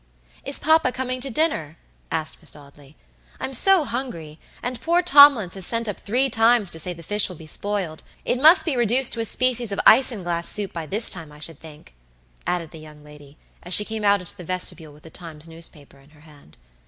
"Is papa coming to dinner?" asked Miss Audley. "I'm so hungry; and poor Tomlins has sent up three times to say the fish will be spoiled. It must be reduced to a species of isinglass soup, by this time, I should think," added the young lady, as she came out into the vestibule with the Times newspaper in her hand.